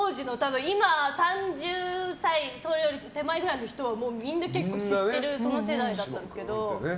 今、３０歳それより手前の人はみんな結構知っているその世代だったんですけど。